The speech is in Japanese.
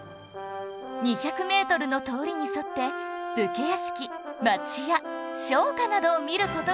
２００メートルの通りに沿って武家屋敷町屋商家などを見る事ができる